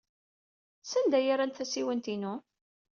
Sanda ay rrant tasiwant-inu?